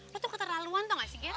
lo tuh keterlaluan tau gak sih gir